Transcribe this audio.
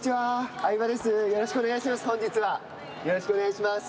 相葉です、よろしくお願いします。